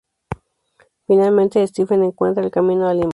Finalmente, Stephen encuentra el camino al Limbo.